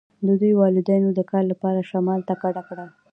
د دوی والدینو د کار لپاره شمال ته کډه کړې